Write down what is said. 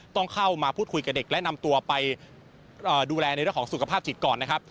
ต้องเข้ามาพูดคุยกับเด็กและนำตัวไปดูแลในเรื่องของสุขภาพจิตก่อนนะครับ